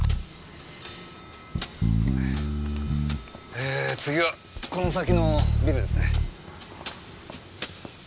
えー次はこの先のビルですね。